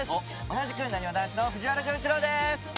同じくなにわ男子の藤原丈一郎です。